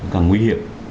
càng nguy hiểm